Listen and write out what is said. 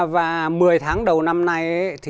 và một mươi tháng đầu năm nay